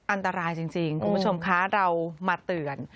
อันตรายจริงคุณผู้ชมคะเรามาเตือน